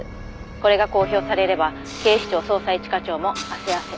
「これが公表されれば警視庁捜査一課長も汗汗」